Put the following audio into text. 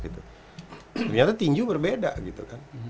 ternyata tinju berbeda gitu kan